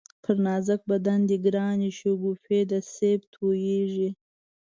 پر نازک بدن دی گرانی شگوفې د سېب تویېږی